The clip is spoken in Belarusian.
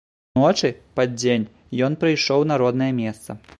Уночы, пад дзень, ён прыйшоў на роднае месца.